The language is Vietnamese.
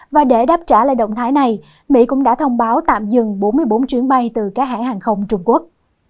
và để đáp trả lại động thái này mỹ cũng đã thông báo tạm dừng bốn mươi bốn chuyến bay từ các hãng hàng không trung quốc